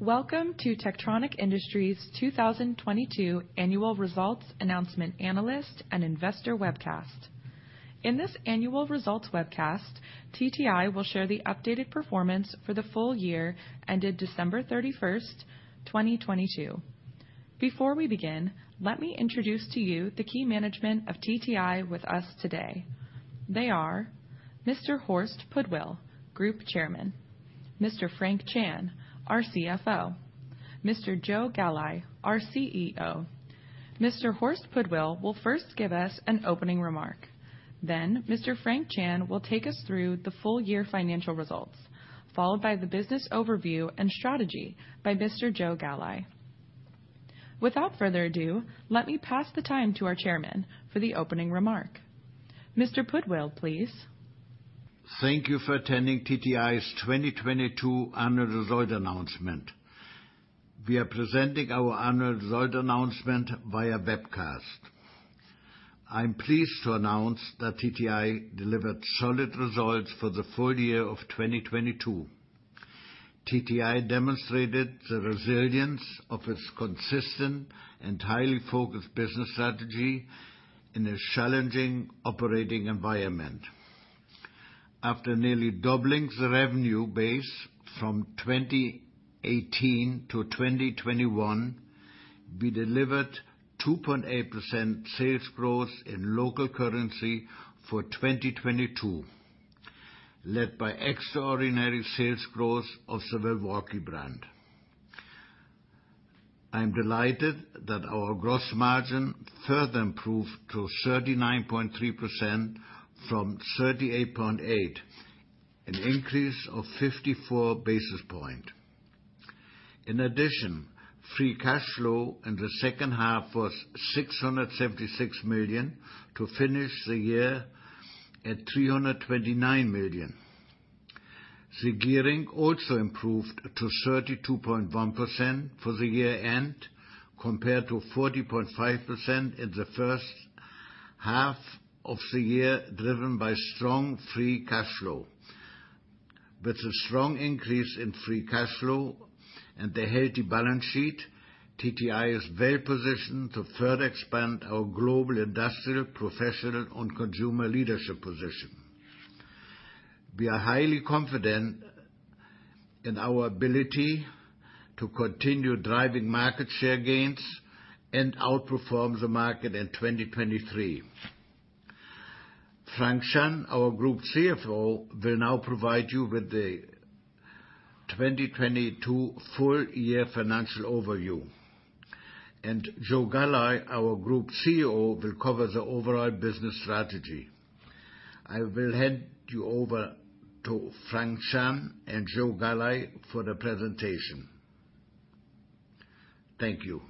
Welcome to Techtronic Industries 2022 annual results announcement analyst and investor webcast. In this annual results webcast, TTI will share the updated performance for the full year ended December 31st, 2022. Before we begin, let me introduce to you the key management of TTI with us today. They are Mr. Horst Pudwill, Group Chairman, Mr. Frank Chan, our CFO, Mr. Joe Galli, our CEO. Mr. Horst Pudwill will first give us an opening remark, then Mr. Frank Chan will take us through the full year financial results, followed by the business overview and strategy by Mr. Joe Galli. Without further ado, let me pass the time to our chairman for the opening remark. Mr. Pudwill, please. Thank you for attending TTI's 2022 annual result announcement. We are presenting our annual result announcement via webcast. I'm pleased to announce that TTI delivered solid results for the full year of 2022. TTI demonstrated the resilience of its consistent and highly focused business strategy in a challenging operating environment. After nearly doubling the revenue base from 2018 to 2021, we delivered 2.8% sales growth in local currency for 2022, led by extraordinary sales growth of the Milwaukee brand. I am delighted that our gross margin further improved to 39.3% from 38.8%, an increase of 54 basis points. Free cash flow in the second half was $676 million to finish the year at $329 million. The gearing also improved to 32.1% for the year-end, compared to 40.5% in the first half of the year, driven by strong free cash flow. With a strong increase in free cash flow and a healthy balance sheet, TTI is well positioned to further expand our global industrial, professional, and consumer leadership position. We are highly confident in our ability to continue driving market share gains and outperform the market in 2023. Frank Chan, our Group CFO, will now provide you with the 2022 full year financial overview. Joe Galli, our Group CEO, will cover the overall business strategy. I will hand you over to Frank Chan and Joe Galli for the presentation. Thank you.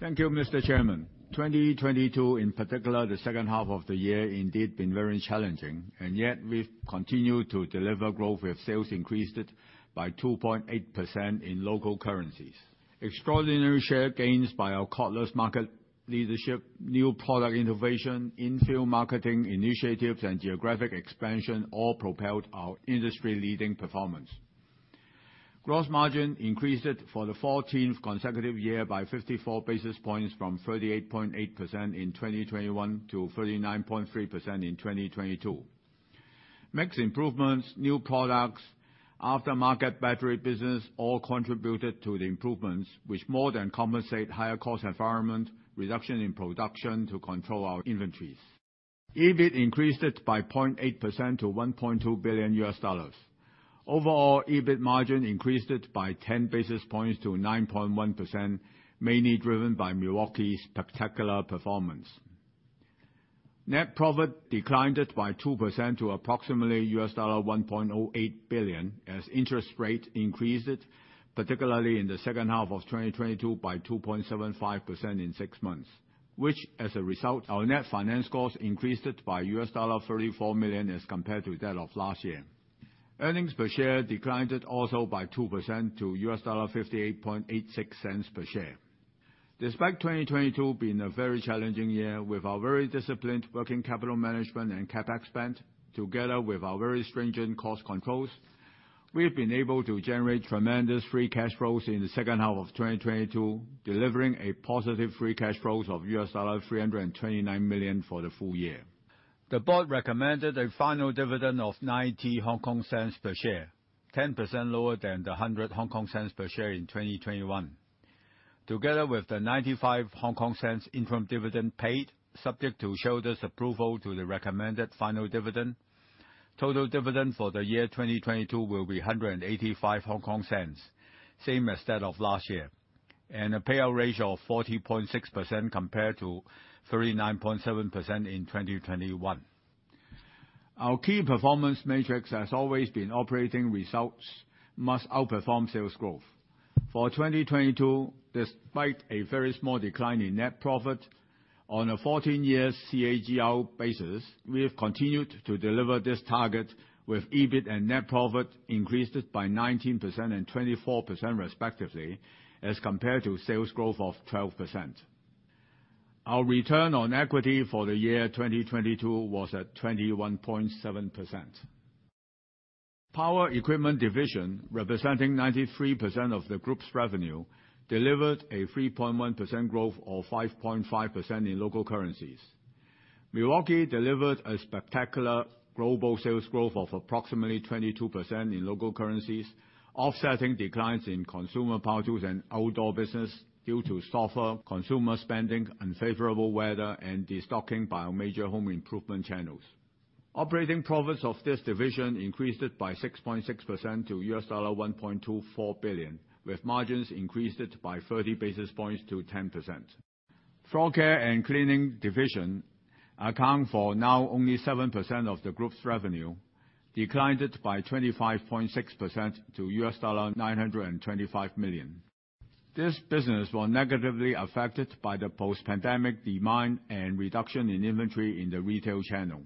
Thank you, Mr. Chairman. 2022, in particular the second half of the year, indeed been very challenging. Yet we've continued to deliver growth with sales increased by 2.8% in local currencies. Extraordinary share gains by our cordless market leadership, new product innovation, in-field marketing initiatives, and geographic expansion all propelled our industry-leading performance. Gross margin increased for the fourteenth consecutive year by 54 basis points from 38.8% in 2021 to 39.3% in 2022. Mix improvements, new products, aftermarket battery business all contributed to the improvements, which more than compensate higher cost environment, reduction in production to control our inventories. EBIT increased by 0.8% to $1.2 billion. Overall, EBIT margin increased by 10 basis points to 9.1%, mainly driven by Milwaukee's spectacular performance. Net profit declined by 2% to approximately $1.08 billion as interest rate increased, particularly in the second half of 2022 by 2.75% in six months, which as a result, our net finance costs increased by $34 million as compared to that of last year. Earnings per share declined also by 2% to $0.5886 per share. Despite 2022 being a very challenging year, with our very disciplined working capital management and CapEx spend, together with our very stringent cost controls, we have been able to generate tremendous free cash flows in the second half of 2022, delivering a positive free cash flows of $329 million for the full year. The board recommended a final dividend of 0.90 per share, 10% lower than the 1.00 per share in 2021. Together with the 0.95 interim dividend paid, subject to shareholders' approval to the recommended final dividend, total dividend for the year 2022 will be 1.85, same as that of last year, and a payout ratio of 40.6% compared to 39.7% in 2021. Our key performance metrics has always been operating results must outperform sales growth. For 2022, despite a very small decline in net profit on a 14-year CAGR basis, we have continued to deliver this target with EBIT and net profit increased by 19% and 24% respectively as compared to sales growth of 12%. Our return on equity for the year 2022 was at 21.7%. Power Equipment division, representing 93% of the group's revenue, delivered a 3.1% growth of 5.5% in local currencies. Milwaukee delivered a spectacular global sales growth of approximately 22% in local currencies, offsetting declines in consumer power tools and outdoor business due to softer consumer spending, unfavorable weather, and destocking by major home improvement channels. Operating profits of this division increased it by 6.6% to $1.24 billion, with margins increased it by 30 basis points to 10%. Floor Care and Cleaning division account for now only 7% of the group's revenue, declined it by 25.6% to $925 million. This business was negatively affected by the post-pandemic demand and reduction in inventory in the retail channel.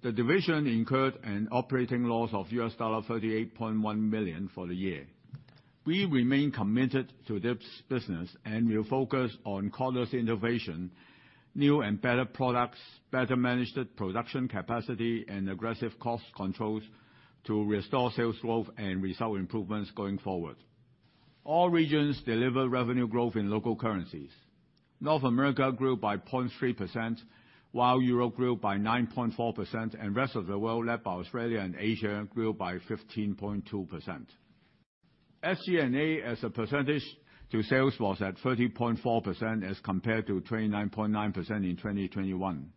The division incurred an operating loss of $38.1 million for the year. We remain committed to this business, and we are focused on cordless innovation, new and better products, better managed production capacity, and aggressive cost controls to restore sales growth and result improvements going forward. All regions delivered revenue growth in local currencies. North America grew by 0.3%, while Europe grew by 9.4%, and rest of the world, led by Australia and Asia, grew by 15.2%. SG&A as a percentage to sales was at 30.4% as compared to 29.9% in 2021.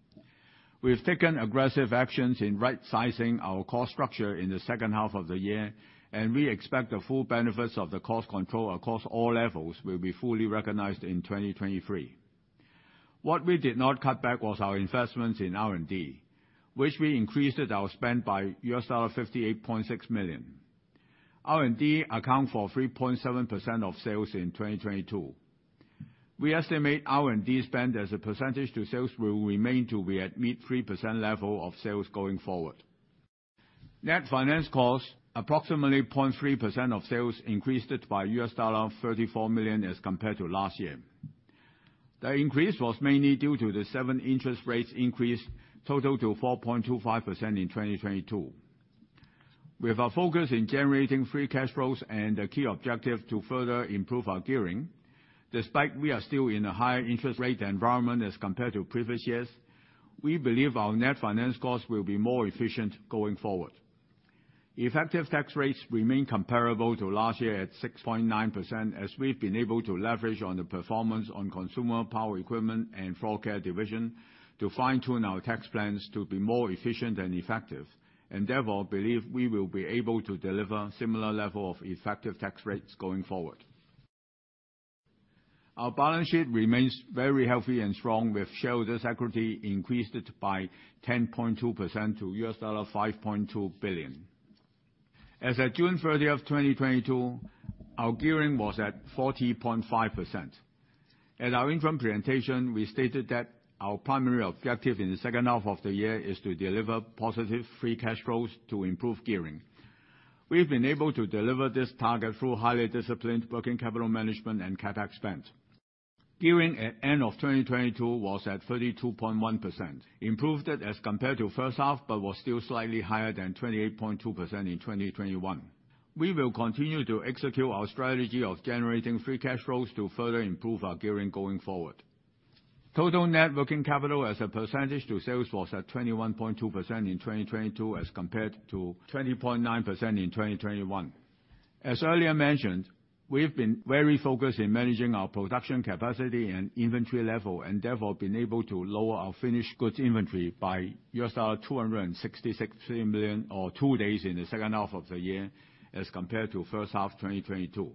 We've taken aggressive actions in rightsizing our cost structure in the second half of the year, and we expect the full benefits of the cost control across all levels will be fully recognized in 2023. What we did not cut back was our investments in R&D, which we increased our spend by $58.6 million. R&D account for 3.7% of sales in 2022. We estimate R&D spend as a percentage to sales will remain to be at mid-3% level of sales going forward. Net finance costs, approximately 0.3% of sales, increased it by $34 million as compared to last year. The increase was mainly due to the seven interest rates increase total to 4.25% in 2022. With our focus in generating free cash flows and the key objective to further improve our gearing, despite we are still in a higher interest rate environment as compared to previous years, we believe our net finance costs will be more efficient going forward. Effective tax rates remain comparable to last year at 6.9%, as we've been able to leverage on the performance on Power Equipment and Floor Care division to fine-tune our tax plans to be more efficient and effective, and therefore, believe we will be able to deliver similar level of effective tax rates going forward. Our balance sheet remains very healthy and strong with shareholders' equity increased by 10.2% to $5.2 billion. As at June 30th, 2022, our gearing was at 40.5%. At our interim presentation, we stated that our primary objective in the second half of the year is to deliver positive free cash flows to improve gearing. We've been able to deliver this target through highly disciplined working capital management and CapEx spend. Gearing at end of 2022 was at 32.1%, improved it as compared to first half, but was still slightly higher than 28.2% in 2021. We will continue to execute our strategy of generating free cash flows to further improve our gearing going forward. Total net working capital as a percentage to sales was at 21.2% in 2022, as compared to 20.9% in 2021. As earlier mentioned, we've been very focused in managing our production capacity and inventory level, therefore, been able to lower our finished goods inventory by $266 million, or 2 days in the second half of the year as compared to first half 2022.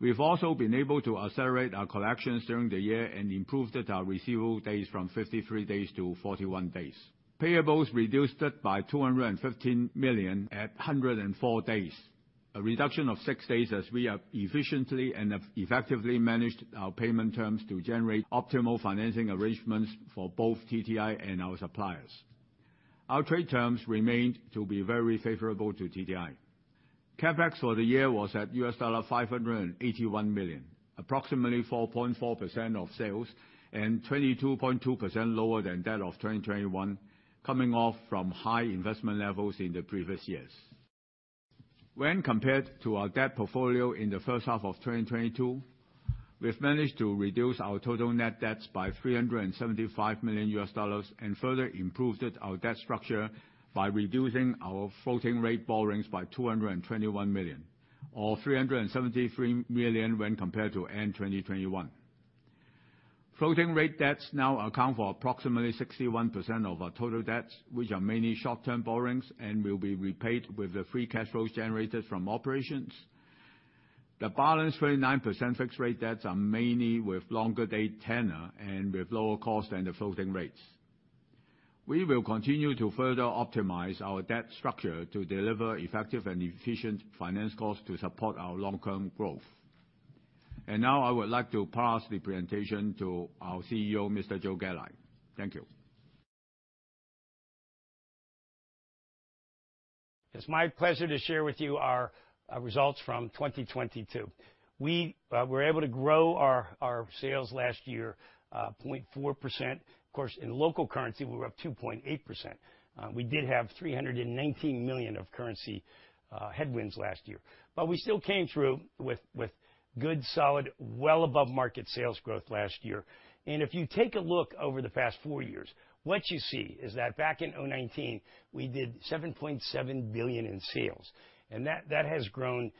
We've also been able to accelerate our collections during the year and improved our receivable days from 53 days to 41 days. Payables reduced it by $215 million at 104 days, a reduction of 6 days as we have efficiently and effectively managed our payment terms to generate optimal financing arrangements for both TTI and our suppliers. Our trade terms remained to be very favorable to TTI. CapEx for the year was at $581 million, approximately 4.4% of sales and 22.2% lower than that of 2021, coming off from high investment levels in the previous years. Compared to our debt portfolio in the first half of 2022, we've managed to reduce our total net debts by $375 million and further improved our debt structure by reducing our floating rate borrowings by $221 million or $373 million when compared to end 2021. Floating rate debts now account for approximately 61% of our total debts, which are mainly short-term borrowings and will be repaid with the free cash flows generated from operations. The balance 29% fixed rate debts are mainly with longer date tenor and with lower cost than the floating rates. We will continue to further optimize our debt structure to deliver effective and efficient finance costs to support our long-term growth. Now I would like to pass the presentation to our CEO, Mr. Joe Galli. Thank you. It's my pleasure to share with you our results from 2022. We were able to grow our sales last year, 0.4%. Of course, in local currency, we were up 2.8%. We did have $319 million of currency headwinds last year. We still came through with good solid, well above market sales growth last year. If you take a look over the past 4 years, what you see is that back in 2019, we did $7.7 billion in sales, and that has grown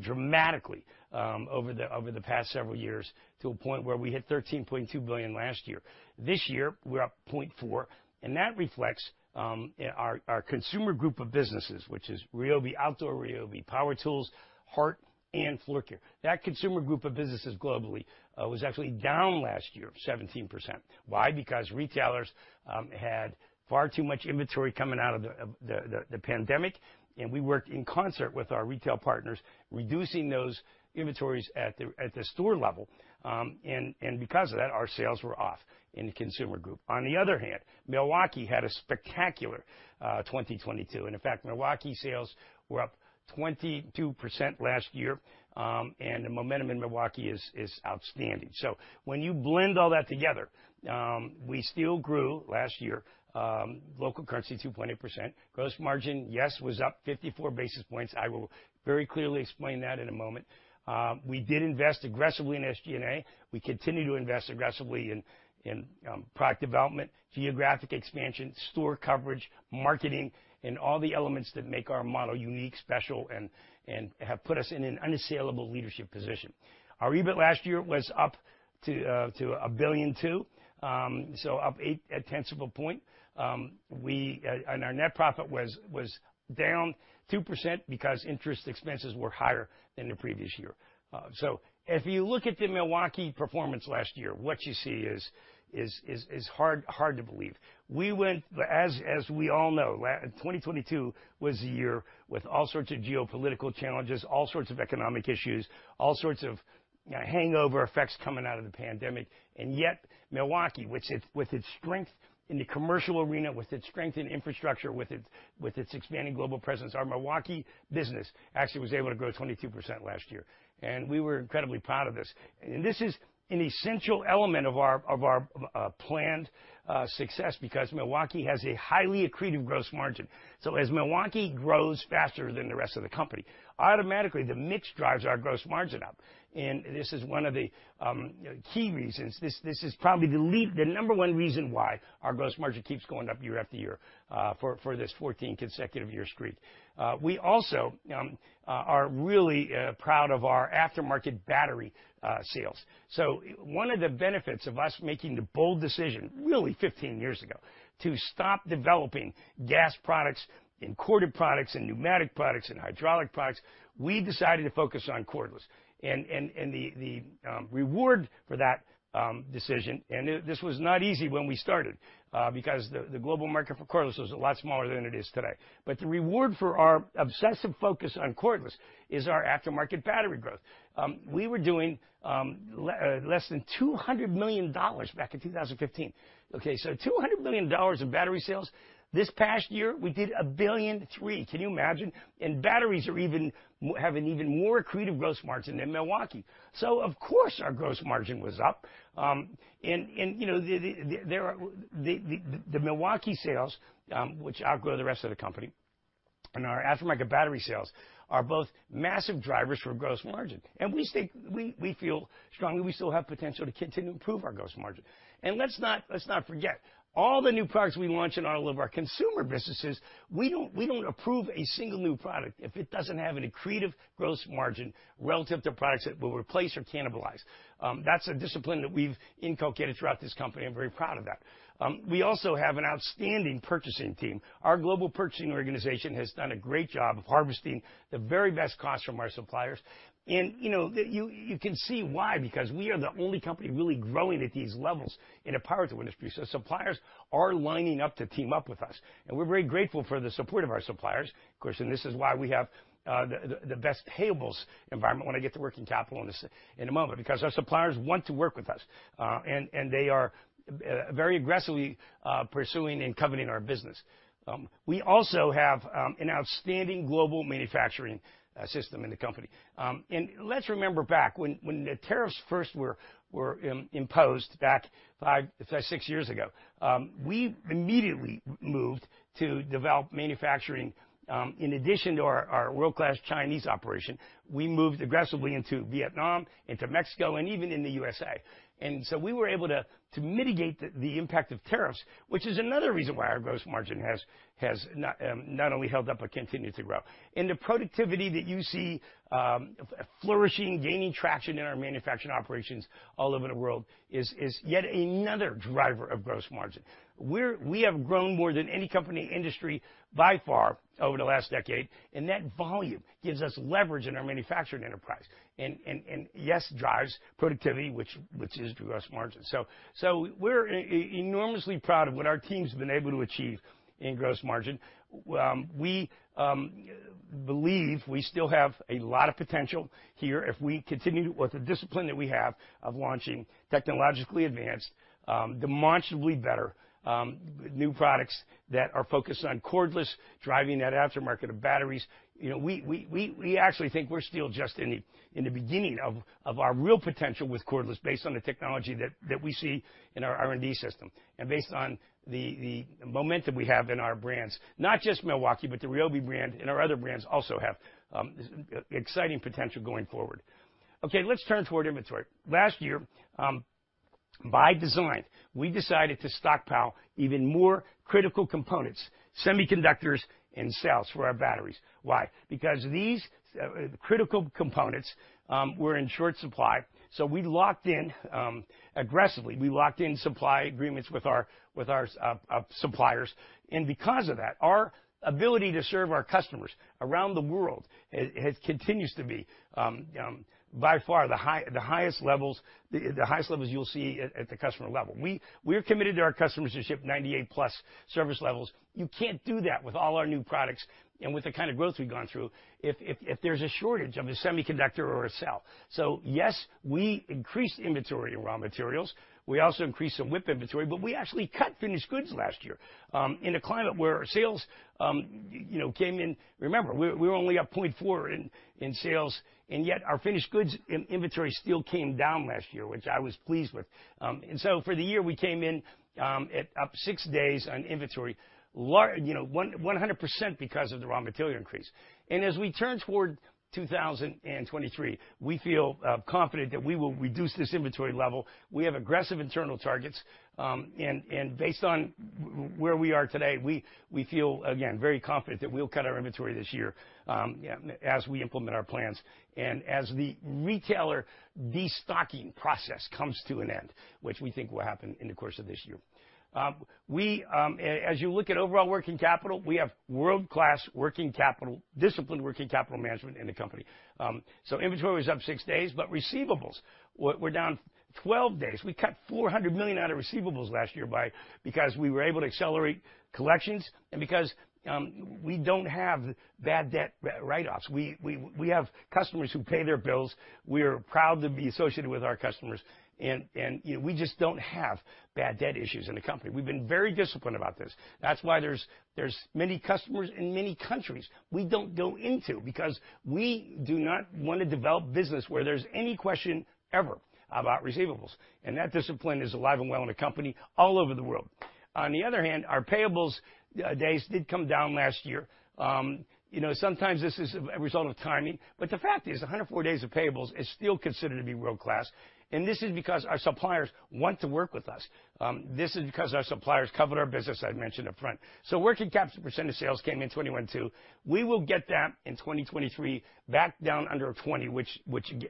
dramatically over the past several years to a point where we hit $13.2 billion last year. This year, we're up 0.4%, that reflects our consumer group of businesses, which is Ryobi Outdoor, Ryobi Power Tools, HART, and Floor Care. That consumer group of businesses globally, was actually down last year, 17%. Why? Because retailers had far too much inventory coming out of the pandemic, we worked in concert with our retail partners, reducing those inventories at the store level. Because of that, our sales were off in the consumer group. On the other hand, Milwaukee had a spectacular 2022. In fact, Milwaukee sales were up 22% last year, and the momentum in Milwaukee is outstanding. When you blend all that together, we still grew last year, local currency 2.8%. Gross margin, yes, was up 54 basis points. I will very clearly explain that in a moment. We did invest aggressively in SG&A. We continue to invest aggressively in product development, geographic expansion, store coverage, marketing, and all the elements that make our model unique, special, and have put us in an unassailable leadership position. Our EBIT last year was up to $1.2 billion, up 0.8 of a point. Our net profit was down 2% because interest expenses were higher than the previous year. If you look at the Milwaukee performance last year, what you see is hard to believe. We went, as we all know, 2022 was a year with all sorts of geopolitical challenges, all sorts of economic issues, all sorts of hangover effects coming out of the pandemic. Yet, Milwaukee, with its strength in the commercial arena, with its strength in infrastructure, with its expanding global presence, our Milwaukee business actually was able to grow 22% last year. We were incredibly proud of this. This is an essential element of our, of our planned success because Milwaukee has a highly accretive gross margin. As Milwaukee grows faster than the rest of the company, automatically, the mix drives our gross margin up. This is one of the key reasons. This is probably the number one reason why our gross margin keeps going up year after year, for this 14 consecutive year streak. We also are really proud of our aftermarket battery sales. One of the benefits of us making the bold decision, really 15 years ago, to stop developing gas products and corded products and pneumatic products and hydraulic products, we decided to focus on cordless. And the reward for that decision, and this was not easy when we started, because the global market for cordless was a lot smaller than it is today. The reward for our obsessive focus on cordless is our aftermarket battery growth. We were doing less than $200 million back in 2015. Okay, $200 million in battery sales. This past year, we did $1.3 billion. Can you imagine? Batteries have an even more accretive gross margin than Milwaukee. Of course, our gross margin was up. You know, the Milwaukee sales, which outgrow the rest of the company, and our aftermarket battery sales are both massive drivers for gross margin. We feel strongly we still have potential to continue to improve our gross margin. Let's not forget, all the new products we launch in all of our consumer businesses, we don't, we don't approve a single new product if it doesn't have an accretive gross margin relative to products that will replace or cannibalize. That's a discipline that we've inculcated throughout this company. I'm very proud of that. We also have an outstanding purchasing team. Our global purchasing organization has done a great job of harvesting the very best cost from our suppliers. You know, you can see why, because we are the only company really growing at these levels in the power tool industry, so suppliers are lining up to team up with us. We're very grateful for the support of our suppliers. Of course, this is why we have the best payables environment when I get to working capital on this in a moment, because our suppliers want to work with us, and they are very aggressively pursuing and coveting our business. We also have an outstanding global manufacturing system in the company. Let's remember back when the tariffs first were imposed back five, six years ago, we immediately moved to develop manufacturing in addition to our world-class Chinese operation. We moved aggressively into Vietnam, into Mexico, and even in the USA. We were able to mitigate the impact of tariffs, which is another reason why our gross margin has not only held up, but continued to grow. The productivity that you see flourishing, gaining traction in our manufacturing operations all over the world is yet another driver of gross margin. We have grown more than any company in the industry by far over the last decade, and that volume gives us leverage in our manufacturing enterprise and yes, drives productivity, which is gross margin. We're enormously proud of what our team's been able to achieve in gross margin. We believe we still have a lot of potential here if we continue with the discipline that we have of launching technologically advanced, demonstrably better new products that are focused on cordless, driving that aftermarket of batteries. You know, we actually think we're still just in the beginning of our real potential with cordless based on the technology that we see in our R&D system and based on the momentum we have in our brands. Not just Milwaukee, but the Ryobi brand and our other brands also have exciting potential going forward. Let's turn toward inventory. Last year, by design, we decided to stockpile even more critical components, semiconductors, and cells for our batteries. Why? Because these, the critical components, were in short supply, so we locked in aggressively. We locked in supply agreements with our, with our suppliers. Because of that, our ability to serve our customers around the world continues to be by far the highest levels you'll see at the customer level. We're committed to our customers to ship 98 plus service levels. You can't do that with all our new products and with the kind of growth we've gone through if there's a shortage of a semiconductor or a cell. Yes, we increased inventory in raw materials. We also increased some WIP inventory. We actually cut finished goods last year. In a climate where our sales, you know, came in. Remember, we're only up 0.4 in sales, and yet our finished goods in inventory still came down last year, which I was pleased with. For the year, we came in at up 6 days on inventory. You know, 100% because of the raw material increase. As we turn toward 2023, we feel confident that we will reduce this inventory level. We have aggressive internal targets, and based on where we are today, we feel, again, very confident that we'll cut our inventory this year, as we implement our plans and as the retailer destocking process comes to an end, which we think will happen in the course of this year. As you look at overall working capital, we have world-class disciplined working capital management in the company. Inventory was up 6 days, but receivables were down 12 days. We cut $400 million out of receivables last year because we were able to accelerate collections and because we don't have bad debt write-offs. We have customers who pay their bills. We're proud to be associated with our customers, and, you know, we just don't have bad debt issues in the company. We've been very disciplined about this. That's why there's many customers in many countries we don't go into because we do not wanna develop business where there's any question ever about receivables, and that discipline is alive and well in the company all over the world. On the other hand, our payables days did come down last year. You know, sometimes this is a result of timing, but the fact is 104 days of payables is still considered to be world-class, and this is because our suppliers want to work with us. This is because our suppliers cover our business, I'd mentioned upfront. Working capital % of sales came in 21.2. We will get that in 2023 back down under 20 which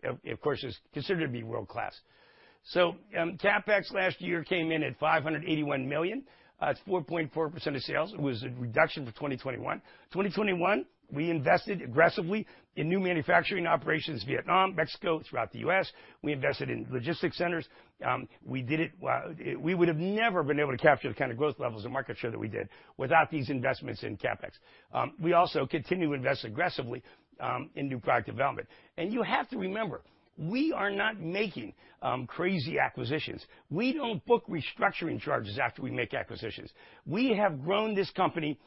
of course is considered to be world-class. CapEx last year came in at $581 million. It's 4.4% of sales. It was a reduction from 2021. 2021, we invested aggressively in new manufacturing operations, Vietnam, Mexico, throughout the U.S. We invested in logistics centers. We did it. We would have never been able to capture the kind of growth levels and market share that we did without these investments in CapEx. We also continue to invest aggressively in new product development. You have to remember, we are not making crazy acquisitions. We don't book restructuring charges after we make acquisitions. We have grown this company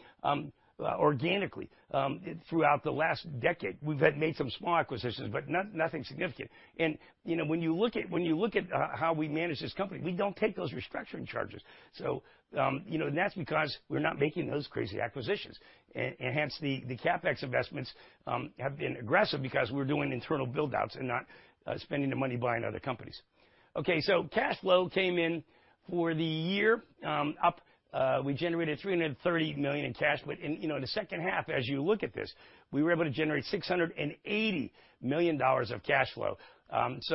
organically throughout the last decade. We've made some small acquisitions, but nothing significant. You know, when you look at, when you look at how we manage this company, we don't take those restructuring charges. You know, that's because we're not making those crazy acquisitions. Hence the CapEx investments have been aggressive because we're doing internal build-outs and not spending the money buying other companies. Cash flow came in for the year up. We generated $330 million in cash flow. You know, in the second half, as you look at this, we were able to generate $680 million of cash flow.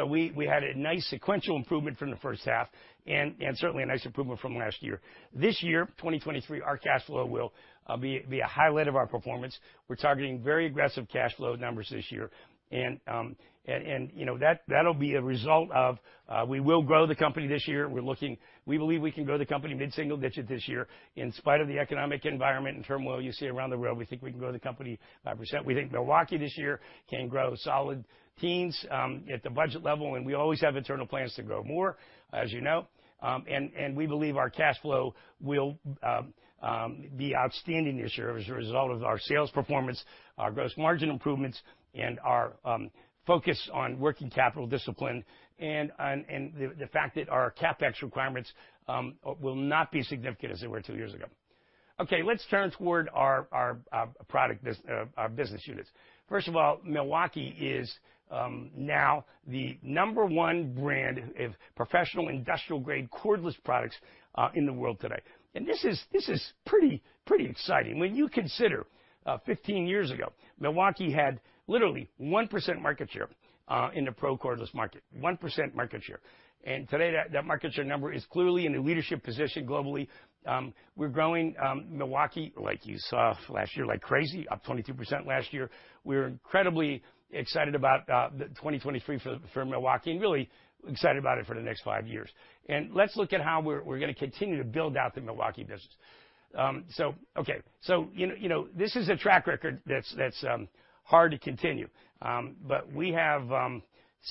We had a nice sequential improvement from the first half and certainly a nice improvement from last year. This year, 2023, our cash flow will be a highlight of our performance. We're targeting very aggressive cash flow numbers this year. You know, that'll be a result of we will grow the company this year. We believe we can grow the company mid-single digits this year. In spite of the economic environment and turmoil you see around the world, we think we can grow the company 5%. We think Milwaukee this year can grow solid teens at the budget level, and we always have internal plans to grow more, as you know. We believe our cash flow will be outstanding this year as a result of our sales performance, our gross margin improvements, and our focus on working capital discipline and on, and the fact that our CapEx requirements will not be significant as they were two years ago. Okay, let's turn toward our business units. First of all, Milwaukee is now the number 1 brand of professional industrial-grade cordless products in the world today. This is pretty exciting when you consider 15 years ago, Milwaukee had literally 1% market share in the pro cordless market, 1% market share. Today, that market share number is clearly in the leadership position globally. We're growing Milwaukee, like you saw last year, like crazy, up 22% last year. We're incredibly excited about 2023 for Milwaukee, and really excited about it for the next five years. Let's look at how we're gonna continue to build out the Milwaukee business. Okay. You know, this is a track record that's hard to continue. But we have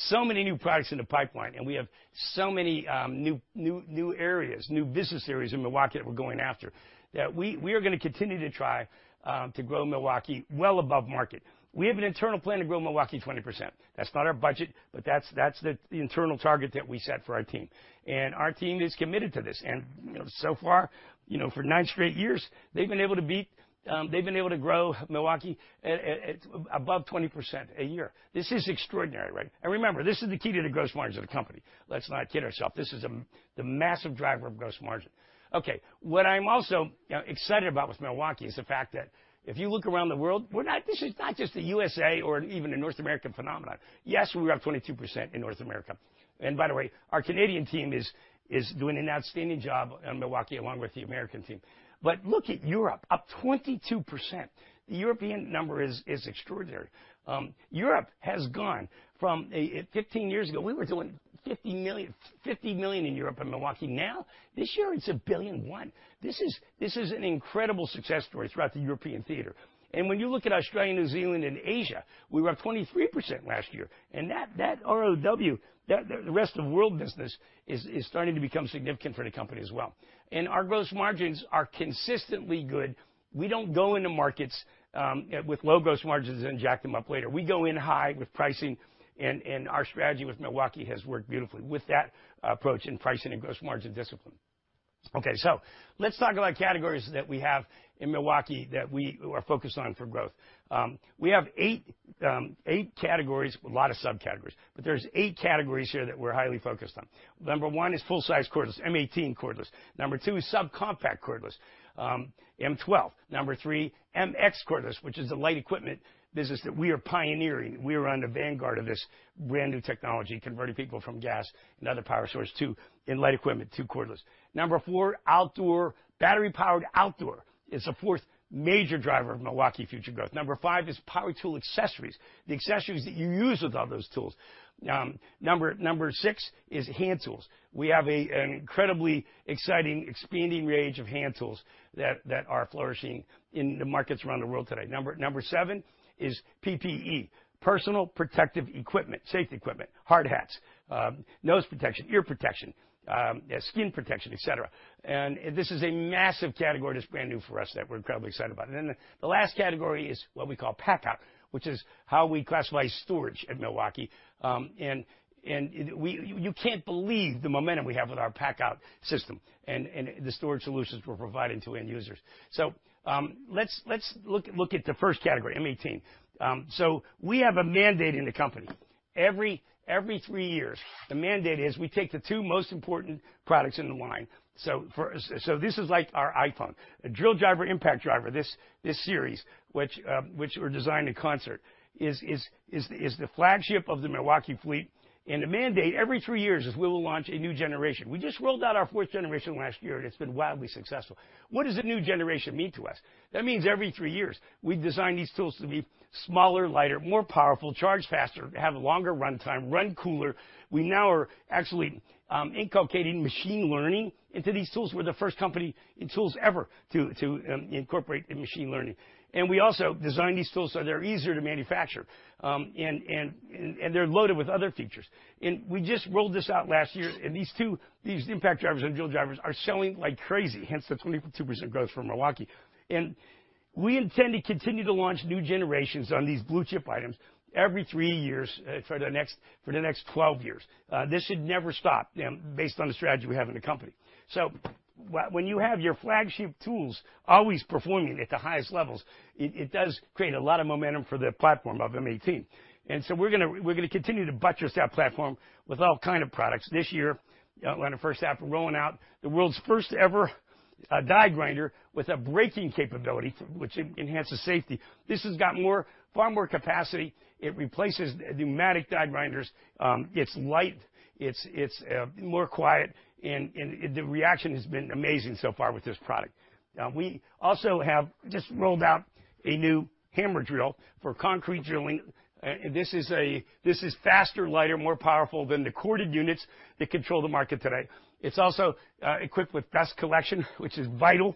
so many new products in the pipeline, and we have so many new areas, new business areas in Milwaukee that we're going after, that we are gonna continue to try to grow Milwaukee well above market. We have an internal plan to grow Milwaukee 20%. That's not our budget, but that's the internal target that we set for our team. Our team is committed to this. You know, so far, you know, for nine straight years, they've been able to beat, they've been able to grow Milwaukee at above 20% a year. This is extraordinary, right? Remember, this is the key to the gross margins of the company. Let's not kid ourself. This is the massive driver of gross margin. Okay. What I'm also, you know, excited about with Milwaukee is the fact that if you look around the world, this is not just a USA or even a North American phenomenon. Yes, we were up 22% in North America. By the way, our Canadian team is doing an outstanding job in Milwaukee, along with the American team. Look at Europe, up 22%. The European number is extraordinary. Europe has gone from 15 years ago, we were doing $50 million in Europe in Milwaukee. Now, this year it's $1.1 billion. This is an incredible success story throughout the European theater. When you look at Australia, New Zealand, and Asia, we were up 23% last year. ROW, the rest of world business, is starting to become significant for the company as well. Our gross margins are consistently good. We don't go into markets with low gross margins and jack them up later. We go in high with pricing, and our strategy with Milwaukee has worked beautifully with that approach in pricing and gross margin discipline. Let's talk about categories that we have in Milwaukee that we are focused on for growth. We have eight categories, a lot of subcategories, but there's 8 categories here that we're highly focused on. Number 1 is full size cordless, M18 cordless. Number 2 is subcompact cordless, M12. Number 3, MX cordless, which is the light equipment business that we are pioneering. We are on the vanguard of this brand-new technology, converting people from gas and other power source to in light equipment to cordless. Number 4, outdoor, battery-powered outdoor is the fourth major driver of Milwaukee future growth. Number 5 is power tool accessories, the accessories that you use with all those tools. Number 6 is hand tools. We have an incredibly exciting, expanding range of hand tools that are flourishing in the markets around the world today. Number 7 is PPE, personal protective equipment, safety equipment, hard hats, nose protection, ear protection, skin protection, et cetera. This is a massive category that's brand new for us that we're incredibly excited about. The last category is what we call PACKOUT, which is how we classify storage at Milwaukee. And you can't believe the momentum we have with our PACKOUT system and the storage solutions we're providing to end users. Let's look at the first category, M18. We have a mandate in the company. Every three years, the mandate is we take the two most important products in the line. So this is like our iPhone. A drill driver, impact driver, this series, which were designed in concert, is the flagship of the Milwaukee fleet. The mandate every three years is we will launch a new generation. We just rolled out our 4th generation last year, and it's been wildly successful. What does a new generation mean to us? That means every three years, we design these tools to be smaller, lighter, more powerful, charge faster, have longer runtime, run cooler. We now are actually inculcating machine learning into these tools. We're the 1st company in tools ever to incorporate machine learning. We also design these tools so they're easier to manufacture. And they're loaded with other features. We just rolled this out last year, and these two, these impact drivers and drill drivers are selling like crazy, hence the 22% growth from Milwaukee. We intend to continue to launch new generations on these blue chip items every three years, for the next 12 years. This should never stop, based on the strategy we have in the company. When you have your flagship tools always performing at the highest levels, it does create a lot of momentum for the platform of M18. We're gonna continue to buttress that platform with all kind of products. This year, in the first half, we're rolling out the world's first ever die grinder with a braking capability which enhances safety. This has got more, far more capacity. It replaces pneumatic die grinders. It's light, it's more quiet and the reaction has been amazing so far with this product. We also have just rolled out a new hammer drill for concrete drilling. This is faster, lighter, more powerful than the corded units that control the market today. It's also equipped with dust collection, which is vital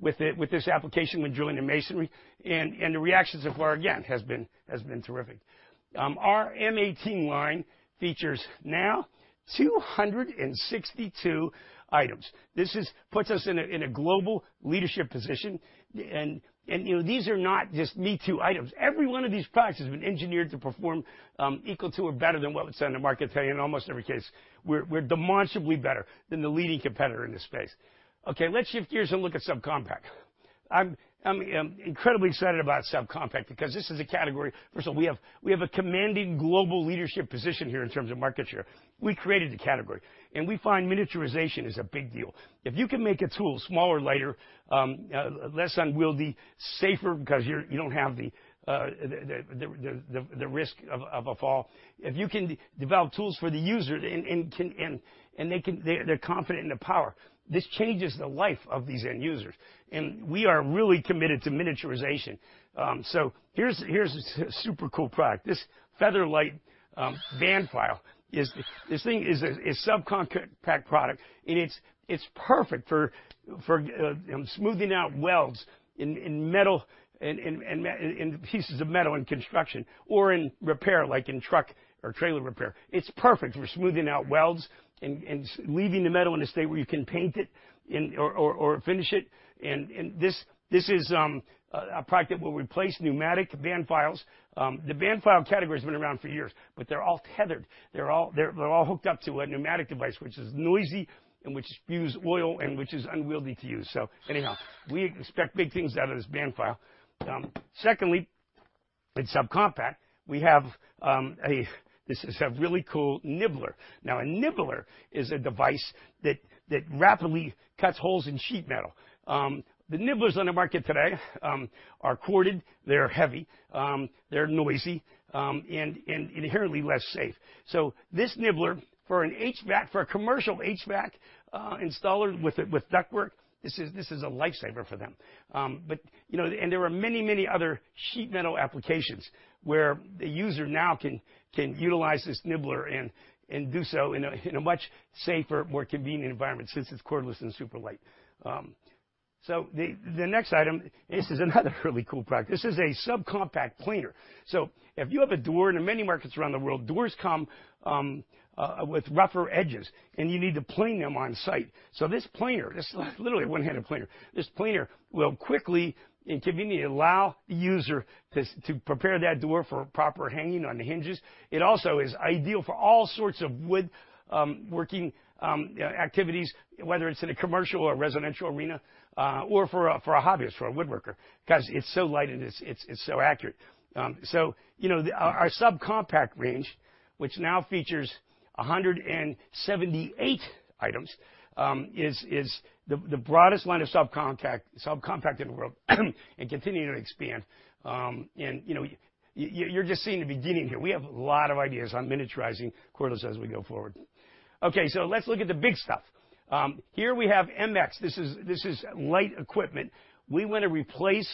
with this application when drilling in masonry. The reactions so far, again, has been terrific. Our M18 line features now 262 items. Puts us in a global leadership position. You know, these are not just me too items. Every one of these products has been engineered to perform equal to or better than what we're seeing in the market today in almost every case. We're demonstrably better than the leading competitor in this space. Okay, let's shift gears and look at SubCompact. I'm incredibly excited about SubCompact because this is a category... First of all, we have a commanding global leadership position here in terms of market share. We created the category, we find miniaturization is a big deal. If you can make a tool smaller, lighter, less unwieldy, safer because you're, you don't have the risk of a fall. If you can de-develop tools for the user and can, and they're confident in the power, this changes the life of these end users. We are really committed to miniaturization. Here's a super cool product. This Feather Lite band file is, this thing is a SubCompact product, and it's perfect for smoothing out welds in metal and pieces of metal in construction or in repair, like in truck or trailer repair. It's perfect for smoothing out welds and leaving the metal in a state where you can paint it and, or, or finish it. This, this is a product that will replace pneumatic band files. The band file category's been around for years, but they're all tethered. They're all hooked up to a pneumatic device, which is noisy, and which spews oil, and which is unwieldy to use. Anyhow, we expect big things out of this band file. Secondly, in SubCompact, we have this is a really cool nibbler. A nibbler is a device that rapidly cuts holes in sheet metal. The nibblers on the market today are corded, they're heavy, they're noisy, and inherently less safe. This nibbler for an HVAC, for a commercial HVAC installer with ductwork, this is a lifesaver for them. You know, there are many, many other sheet metal applications where the user now can utilize this nibbler and do so in a much safer, more convenient environment since it's cordless and super light. The next item, this is another really cool product. This is a SubCompact planer. If you have a door, in many markets around the world, doors come with rougher edges, and you need to plane them on-site. This planer, this, like, literally one-handed planer, this planer will quickly and conveniently allow the user to prepare that door for proper hanging on the hinges. It also is ideal for all sorts of wood working activities, whether it's in a commercial or residential arena, or for a, for a hobbyist, for a woodworker, 'cause it's so light and it's so accurate. You know, the, our SubCompact range, which now features 178 items, is the broadest line of SubCompact in the world and continuing to expand. You know, you're just seeing the beginning here. We have a lot of ideas on miniaturizing cordless as we go forward. Okay, let's look at the big stuff. Here we have MX. This is light equipment. We wanna replace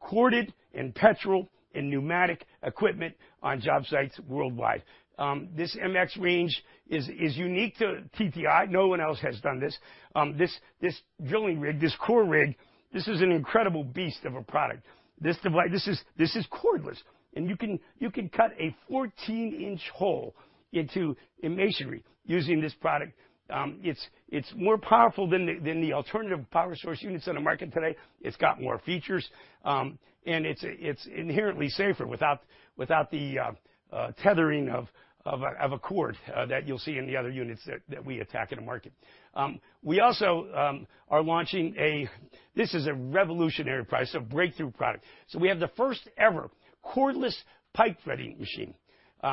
corded and petrol and pneumatic equipment on job sites worldwide. This MX range is unique to TTI. No one else has done this. This, this drilling rig, this core rig, this is an incredible beast of a product. This is cordless, and you can cut a 14-inch hole into a masonry using this product. It's more powerful than the alternative power source units on the market today. It's got more features, and it's inherently safer without the tethering of a cord that you'll see in the other units that we attack in the market. We also are launching a. This is a revolutionary price, so breakthrough product. We have the first-ever cordless pipe threading machine.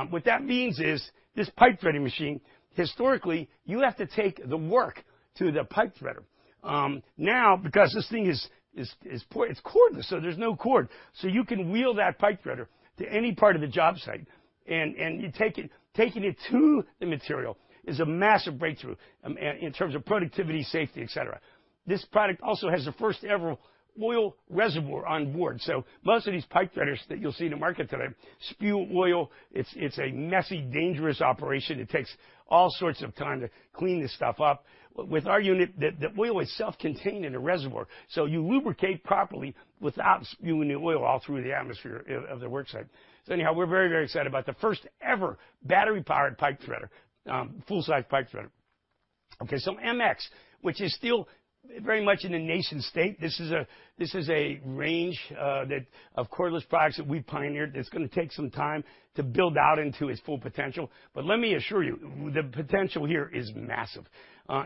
What that means is this pipe threading machine, historically, you have to take the work to the pipe threader. Now because this thing is, it's cordless, there's no cord. You can wheel that pipe threader to any part of the job site and you take it, taking it to the material is a massive breakthrough, and in terms of productivity, safety, et cetera. This product also has the first ever oil reservoir on board. Most of these pipe threaders that you'll see in the market today spew oil. It's, it's a messy, dangerous operation. It takes all sorts of time to clean this stuff up. With our unit, the oil is self-contained in a reservoir, so you lubricate properly without spewing the oil all through the atmosphere of the work site. Anyhow, we're very, very excited about the first-ever battery-powered pipe threader, full-size pipe threader. MX, which is still very much in the nascent state, this is a range that of cordless products that we pioneered that's gonna take some time to build out into its full potential. Let me assure you, the potential here is massive.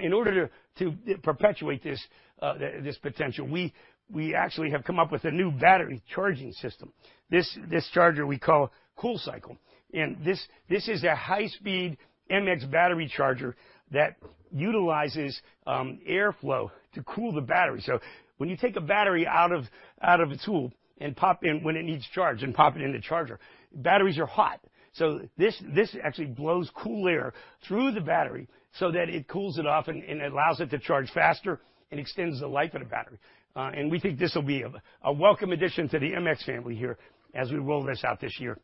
In order to perpetuate this potential, we actually have come up with a new battery charging system. This charger we call COOL-CYCLE. This is a high-speed MX FUEL battery charger that utilizes airflow to cool the battery. When you take a battery out of a tool and pop it in the charger, batteries are hot. This actually blows cool air through the battery so that it cools it off and allows it to charge faster and extends the life of the battery. We think this'll be a welcome addition to the MX FUEL family here as we roll this out this year.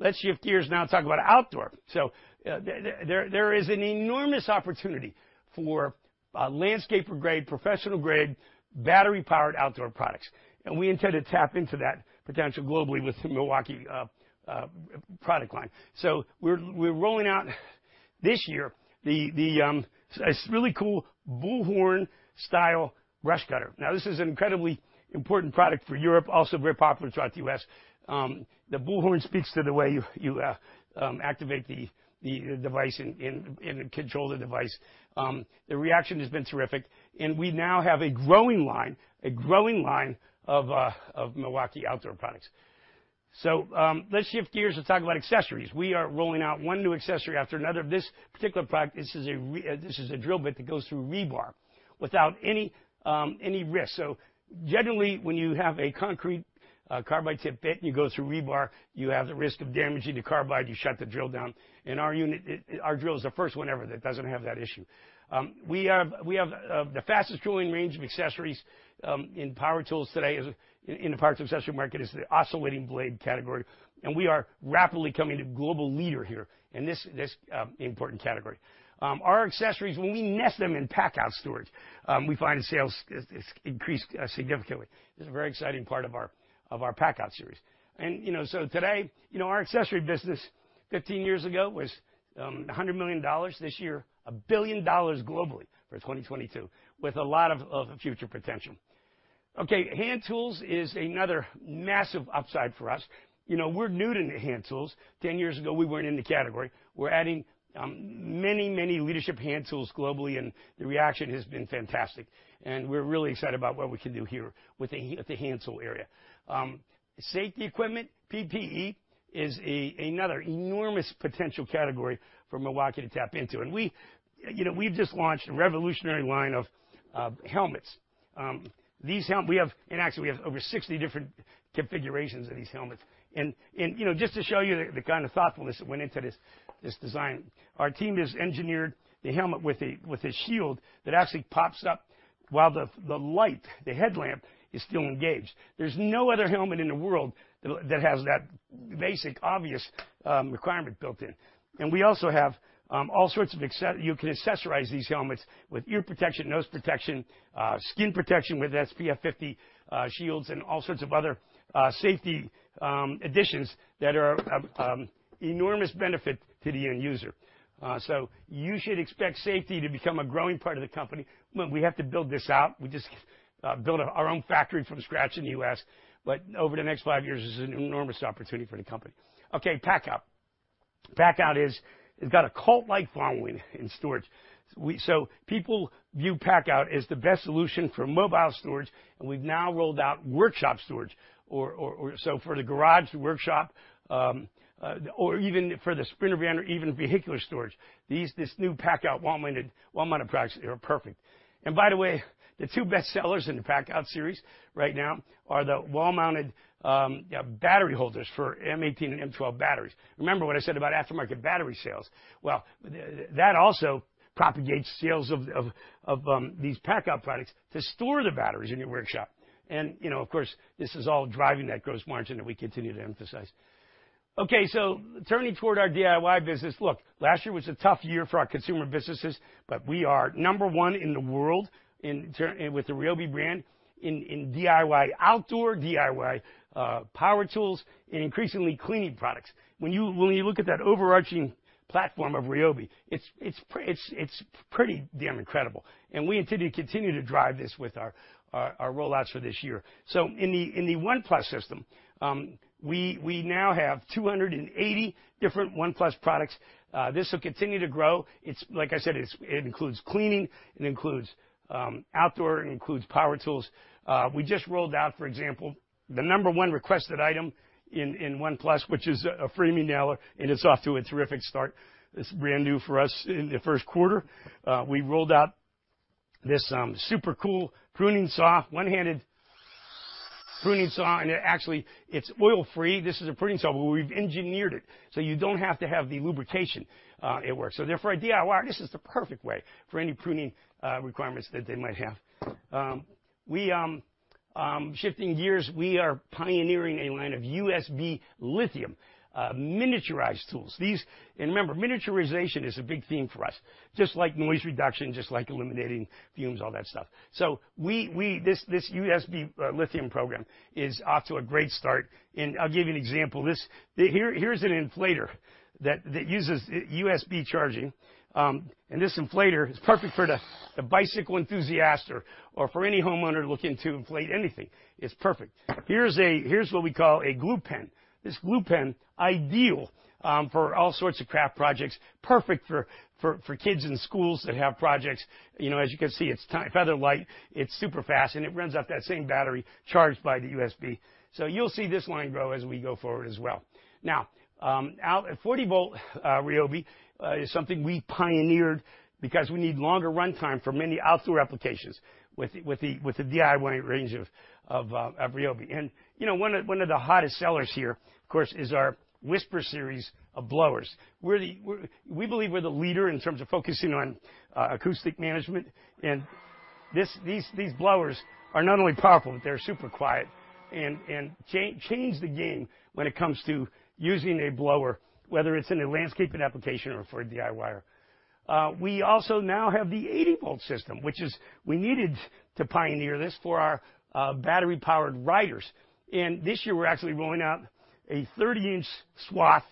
Let's shift gears now and talk about outdoor. There is an enormous opportunity for landscaper-grade, professional-grade, battery-powered outdoor products, and we intend to tap into that potential globally with the Milwaukee product line. We're rolling out this year the really cool Bullhorn-style brush cutter. Now, this is an incredibly important product for Europe, also very popular throughout the U.S. The Bullhorn speaks to the way you activate the device and control the device. The reaction has been terrific, and we now have a growing line of Milwaukee outdoor products. Let's shift gears and talk about accessories. We are rolling out one new accessory after another. This particular product, this is a drill bit that goes through rebar without any risk. Generally, when you have a concrete, carbide-tip bit, and you go through rebar, you have the risk of damaging the carbide, you shut the drill down. In our unit, our drill is the first one ever that doesn't have that issue. We have the fastest-growing range of accessories in power tools today is in the power accessory market is the oscillating blade category. We are rapidly becoming the global leader here in this important category. Our accessories, when we nest them in PACKOUT storage, we find the sales is increased significantly. This is a very exciting part of our PACKOUT series. You know, today, you know, our accessory business 15 years ago was $100 million. This year, $1 billion globally for 2022, with a lot of future potential. Okay, hand tools is another massive upside for us. You know, we're new to hand tools. 10 years ago, we weren't in the category. We're adding many, many leadership hand tools globally, and the reaction has been fantastic. We're really excited about what we can do here with the hand tool area. Safety equipment, PPE, is another enormous potential category for Milwaukee to tap into. We, you know, we've just launched a revolutionary line of helmets. These we have. Actually, we have over sixty different configurations of these helmets. You know, just to show you the kind of thoughtfulness that went into this design, our team has engineered the helmet with a, with a shield that actually pops up while the light, the headlamp is still engaged. There's no other helmet in the world that'll, that has that basic obvious requirement built in. We also have all sorts of you can accessorize these helmets with ear protection, nose protection, skin protection with SPF 50 shields, and all sorts of other safety additions that are of enormous benefit to the end user. You should expect safety to become a growing part of the company. Well, we have to build this out. We just built our own factory from scratch in the U.S., but over the next five years, this is an enormous opportunity for the company. Okay, PACKOUT. PACKOUT has got a cult-like following in storage. People view PACKOUT as the best solution for mobile storage, and we've now rolled out workshop storage, or so for the garage workshop, or even for the sprinter van or even vehicular storage. This new PACKOUT wall-mounted products are perfect. By the way, the two best sellers in the PACKOUT series right now are the wall-mounted battery holders for M18 and M12 batteries. Remember what I said about aftermarket battery sales. That also propagates sales of these PACKOUT products to store the batteries in your workshop. You know, of course, this is all driving that gross margin that we continue to emphasize. Turning toward our DIY business. Last year was a tough year for our consumer businesses, but we are number one in the world with the Ryobi brand in DIY, outdoor DIY power tools, and increasingly cleaning products. When you look at that overarching platform of Ryobi, it's pretty damn incredible, and we intend to continue to drive this with our rollouts for this year. In the ONE+ system, we now have 280 different ONE+ products. This will continue to grow. It's, like I said, it includes cleaning, it includes outdoor, it includes power tools. We just rolled out, for example, the number 1 requested item in ONE+, which is a framing nailer. It's off to a terrific start. It's brand new for us in the 1st quarter. We rolled out this super cool pruning saw, one-handed pruning saw. It actually, it's oil-free. This is a pruning saw. We've engineered it so you don't have to have the lubrication at work. Therefore, a DIYer, this is the perfect way for any pruning requirements that they might have. We, shifting gears, we are pioneering a line of USB Lithium miniaturized tools. Remember, miniaturization is a big theme for us, just like noise reduction, just like eliminating fumes, all that stuff. We, this USB Lithium program is off to a great start, and I'll give you an example. Here's an inflator that uses USB charging, and this inflator is perfect for the bicycle enthusiast or for any homeowner looking to inflate anything. It's perfect. Here's what we call a glue pen. This glue pen, ideal for all sorts of craft projects, perfect for kids in schools that have projects. You know, as you can see, it's Feather Lite, it's super fast, and it runs off that same battery charged by the USB. You'll see this line grow as we go forward as well. Now, a 40-volt Ryobi is something we pioneered because we need longer runtime for many outdoor applications with the DIY range of Ryobi. You know, one of the hottest sellers here, of course, is our WHISPER SERIES of blowers. We're the, we believe we're the leader in terms of focusing on acoustic management, and this, these blowers are not only powerful, but they're super quiet, and change the game when it comes to using a blower, whether it's in a landscaping application or for a DIYer. We also now have the 80-volt system, which is we needed to pioneer this for our battery-powered riders. This year, we're actually rolling out a 30-inch swath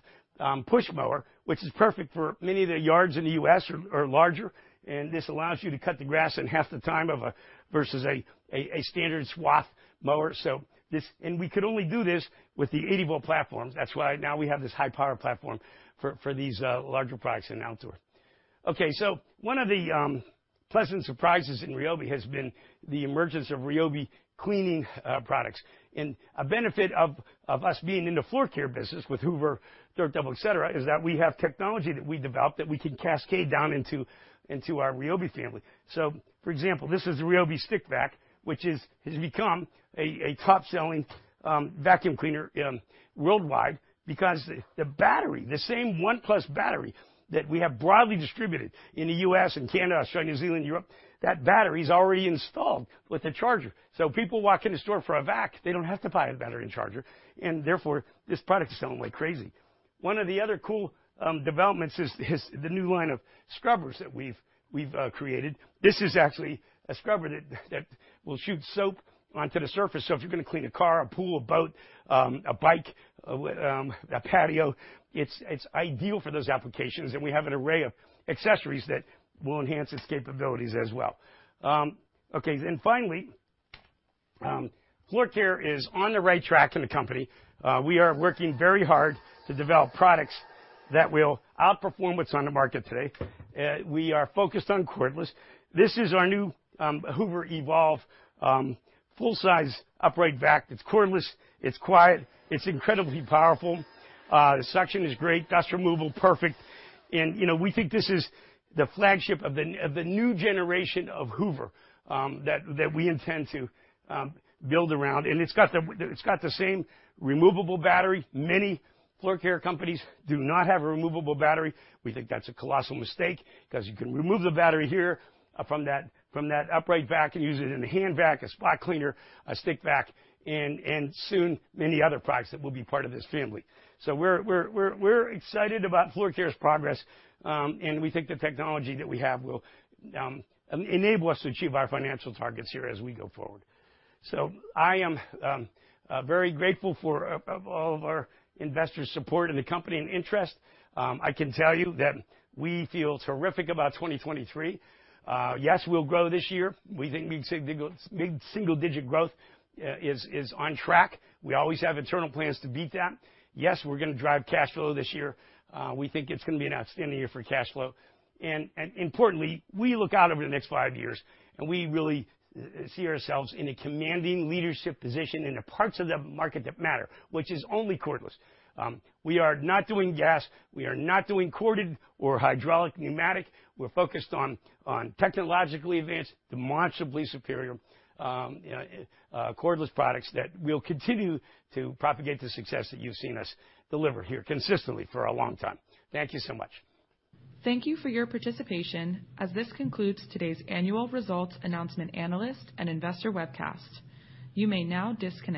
push mower, which is perfect for many of the yards in the U.S. are larger, and this allows you to cut the grass in half the time of a, versus a standard swath mower. We could only do this with the 80-volt platforms. That's why now we have this high-power platform for these larger products in outdoor. One of the pleasant surprises in Ryobi has been the emergence of Ryobi cleaning products. A benefit of us being in the Floor Care business with Hoover, Dirt Devil, et cetera, is that we have technology that we developed that we can cascade down into our Ryobi family. For example, this is the Ryobi stick vac, which has become a top-selling vacuum cleaner worldwide because the battery, the same ONE+ battery that we have broadly distributed in the U.S. and Canada, Australia, New Zealand, Europe, that battery's already installed with a charger. People walk in the store for a vac, they don't have to buy a battery and charger, and therefore, this product is selling like crazy. One of the other cool developments is the new line of scrubbers that we've created. This is actually a scrubber that will shoot soap onto the surface, so if you're gonna clean a car, a pool, a boat, a bike, a patio, it's ideal for those applications, and we have an array of accessories that will enhance its capabilities as well. Okay. Finally, Floor Care is on the right track in the company. We are working very hard to develop products that will outperform what's on the market today. We are focused on cordless. This is our new Hoover Evolve full size upright vac. It's cordless, it's quiet, it's incredibly powerful. The suction is great, dust removal, perfect. You know, we think this is the flagship of the new generation of Hoover that we intend to build around. It's got the same removable battery. Many floor care companies do not have a removable battery. We think that's a colossal mistake 'cause you can remove the battery here from that upright vac and use it in a hand vac, a spot cleaner, a stick vac, and soon many other products that will be part of this family. We're excited about Floor Care's progress, and we think the technology that we have will enable us to achieve our financial targets here as we go forward. I am very grateful for of all of our investors' support in the company and interest. I can tell you that we feel terrific about 2023. Yes, we'll grow this year. We think mid-single digit growth is on track. We always have internal plans to beat that. Yes, we're gonna drive cash flow this year. We think it's gonna be an outstanding year for cash flow. Importantly, we look out over the next five years and we really see ourselves in a commanding leadership position in the parts of the market that matter, which is only cordless. We are not doing gas, we are not doing corded or hydraulic pneumatic. We're focused on technologically advanced, demonstrably superior cordless products that will continue to propagate the success that you've seen us deliver here consistently for a long time. Thank you so much. Thank you for your participation, as this concludes today's annual results announcement analyst and investor webcast. You may now disconnect.